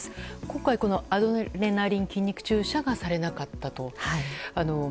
今回、アドレナリンの筋肉注射がされなかったと。